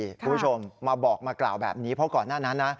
คุณผู้ชมมาบอกมากล่าวแบบนี้เพราะก่อนหน้านั้นนะ